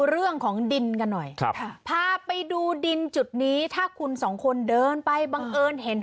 เรื่องของดินกันหน่อยครับพาไปดูดินจุดนี้ถ้าคุณสองคนเดินไปบังเอิญเห็น